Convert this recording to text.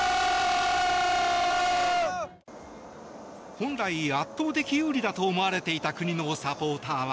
本来、圧倒的有利だと思われていた国のサポーターは。